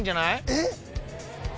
えっ？